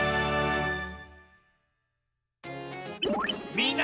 みんな！